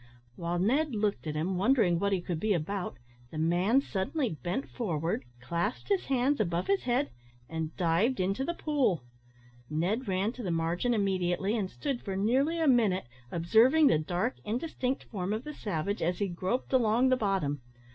While Ned looked at him, wondering what he could be about, the man suddenly bent forward, clasped his hands above his head, and dived into the pool. Ned ran to the margin immediately, and stood for nearly a minute observing the dark indistinct form of the savage as he groped along the bottom.